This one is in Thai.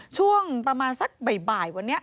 ช่วงประมาณสักใบบ่าย